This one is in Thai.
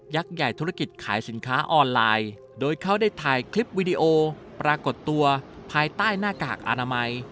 ใหญ่ธุรกิจขายสินค้าออนไลน์โดยเขาได้ถ่ายคลิปวิดีโอปรากฏตัวภายใต้หน้ากากอนามัย